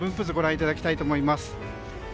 図ご覧いただきたいと思います。